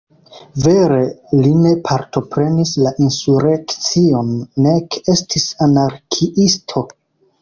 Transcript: Vere li ne partoprenis la insurekcion nek estis anarkiisto.